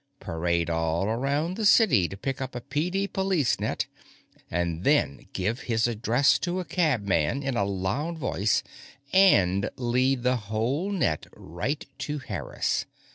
Parade all around the city to pick up a PD Police net, and then give his address to a cabman in a loud voice and lead the whole net right to Harris!